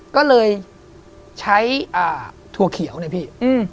ก็เลยใช้ถั่วเขียวเนี่ยพี่